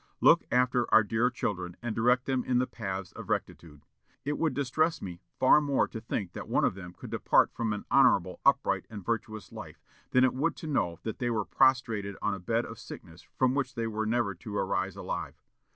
"Look after our dear children, and direct them in the paths of rectitude. It would distress me far more to think that one of them could depart from an honorable, upright, and virtuous life, than it would to know that they were prostrated on a bed of sickness from which they were never to arise alive.